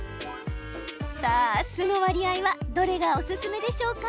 さあ酢の割合はどれがおすすめでしょうか。